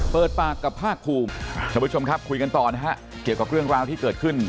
เปิดปากกับภาคภูมิท่านผู้ชมครับคุยกันต่อนะฮะเกี่ยวกับเรื่องราวที่เกิดขึ้น